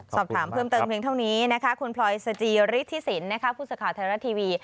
สอบถามเพิ่มเติมเพียงเท่านี้นะคะคุณพลอยสจิฤทธิสินผู้สื่อข่าวไทยรัฐทีวี